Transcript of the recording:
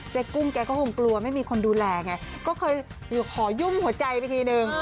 กุ้งแกก็คงกลัวไม่มีคนดูแลไงก็เคยขอยุ่มหัวใจไปทีนึง